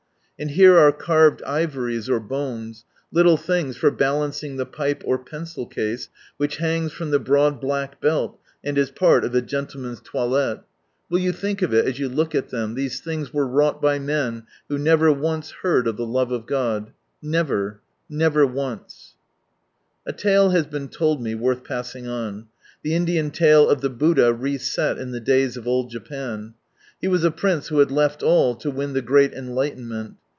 And here are carved ivories (or bones), little things for balancing the pipe or pencil case, which hangs from the broad black belt, and is part of a gentleman's toilette. Will you think of it, as you look at them, these things were wrought by men who never once heard of the love of God. Never, A tale has been told me worth passing on. The Indian tale of the Buddha re set, in the days of old Japan. He was a prince who had left all to win The Great Enlightenment.